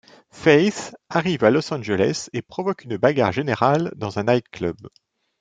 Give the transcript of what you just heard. Faith arrive à Los Angeles et provoque une bagarre générale dans un night-club.